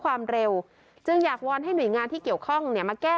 ความเร็วจึงอยากวอนให้หน่วยงานที่เกี่ยวข้องเนี่ยมาแก้